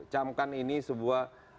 camkan ini sebuah